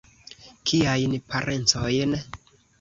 Kiajn parencojn?